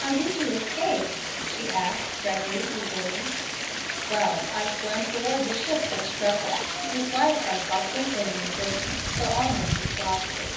"How did you escape?" she asked Gregory, eagerly. "Well, I swam toward the ship that struck us, whose lights I saw twinkling in the distance, till almost exhausted.